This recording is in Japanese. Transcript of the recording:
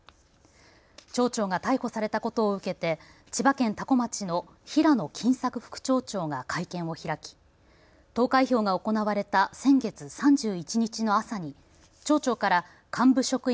町長が逮捕されたことを受けて千葉県多古町の平野欽作副町長が会見を開き投開票が行われた先月３１日の朝に町長から幹部職員